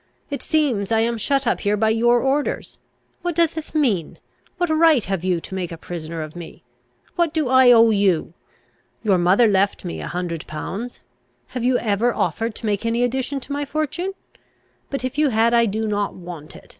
It seems I am shut up here by your orders. What does this mean? What right have you to make a prisoner of me? What do I owe you? Your mother left me a hundred pounds: have you ever offered to make any addition to my fortune? But, if you had, I do not want it.